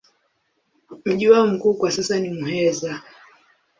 Mji wao mkuu kwa sasa ni Muheza.